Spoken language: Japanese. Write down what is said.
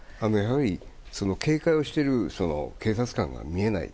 警戒をしている警察官が見えない。